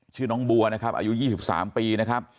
ชื่อน้องบัวนะครับอายุ๒๓ปี